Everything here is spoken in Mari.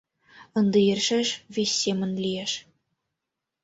Ынде йӧршеш вес семын лиеш.